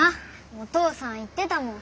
お父さん言ってたもん。